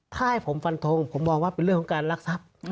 ถ้าให้ผมฟันทงผมมองว่าเป็นเรื่องของการรักทรัพย์